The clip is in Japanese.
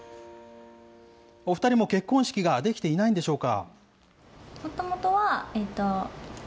お２人も結婚式ができていないんでしょうか。